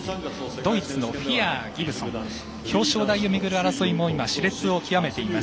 ドイツのフィアー、ギブソン表彰台をめぐる争いもしれつを極めています。